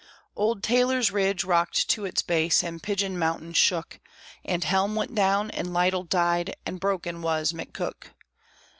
Old Taylor's Ridge rocked to its base, and Pigeon Mountain shook; And Helm went down, and Lytle died, and broken was McCook.